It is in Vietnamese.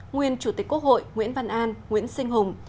nguyên chủ tịch quốc hội nguyễn văn an nguyễn sinh hùng